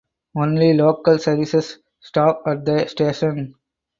Only local services stop at the station.